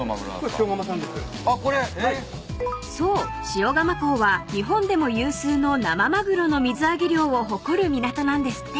塩釜港は日本でも有数の生マグロの水揚げ量を誇る港なんですって］